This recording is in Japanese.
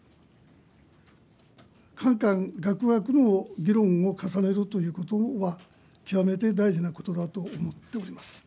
かんかんがくがくの議論を重ねるということは、極めて大事なことだと思っております。